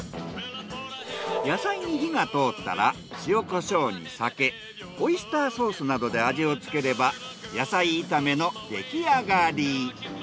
野菜に火が通ったら塩・コショウに酒オイスターソースなどで味をつければ野菜炒めの出来上がり。